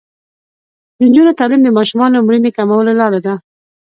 د نجونو تعلیم د ماشومانو مړینې کمولو لاره ده.